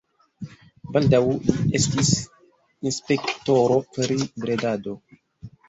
Baldaŭ li estis inspektoro pri bredado.